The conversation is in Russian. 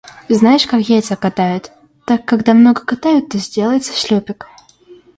Знаешь, как яйца катают, так когда много катают, то сделается шлюпик.